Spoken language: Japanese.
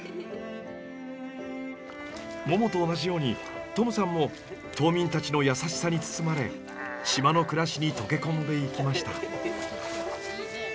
ももと同じようにトムさんも島民たちの優しさに包まれ島の暮らしに溶け込んでいきました。